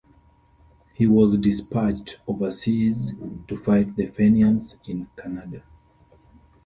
He was dispatched overseas to fight the Fenians in Canada.